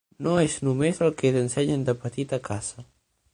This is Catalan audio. No és només el que t'ensenyen de petit a casa.